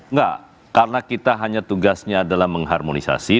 enggak karena kita hanya tugasnya adalah mengharmonisasi